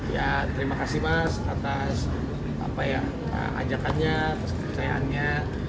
ya terima kasih mas atas ajakannya atas kepercayaannya